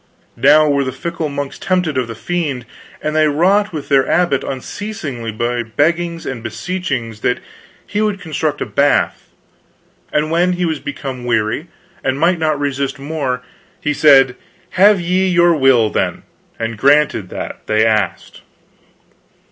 Now were the fickle monks tempted of the Fiend, and they wrought with their abbot unceasingly by beggings and beseechings that he would construct a bath; and when he was become aweary and might not resist more, he said have ye your will, then, and granted that they asked.